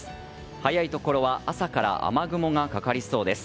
早いところは朝から雨雲がかかりそうです。